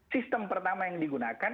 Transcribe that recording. sistem pertama yang digunakan